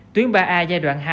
tuyến ba a giai đoạn hai